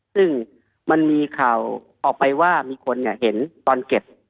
ซึ่งมันมีข่าวออกไปว่ามีคนเห็นตอนเก็บ